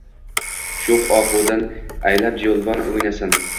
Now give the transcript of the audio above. Sho’x ohudan aylab javlon o’ynasin.